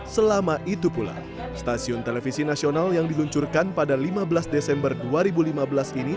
selama itu pula stasiun televisi nasional yang diluncurkan pada lima belas desember dua ribu lima belas ini